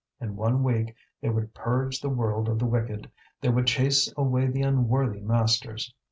In one week they would purge the world of the wicked, they would chase away the unworthy masters.